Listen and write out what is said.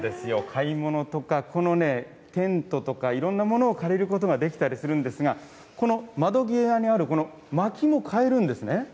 買い物とか、このテントとかいろんなものを借りることができたりするんですが、この窓際にあるこのまきも買えるんですね。